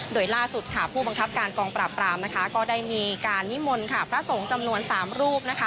โดยล่าสุดพูดบังคับการกองปรับปรามก็ได้มีในนิมนต์พระสงค์จำนวน๓รูป